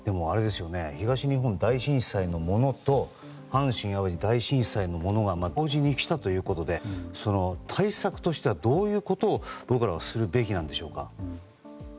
東日本大震災のものと阪神・淡路大震災のものが同時に来たということで対策としてはどういうことを僕らはするべきなんでしょうか。